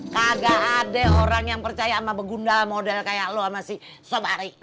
kagak ada orang yang percaya sama begundal model kayak lo sama si sob ari